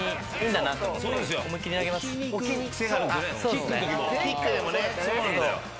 キックでもね。